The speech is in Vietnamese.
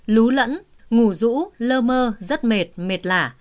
lún lẫn ngủ rũ lơ mơ rất mệt mệt lả